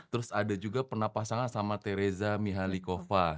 pernah juga pernah pasangan sama tereza mihalikova